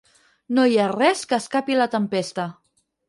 No hi ha res que escapi a la tempesta.